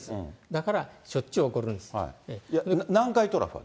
だから、しょっちゅう起こるんで南海トラフは？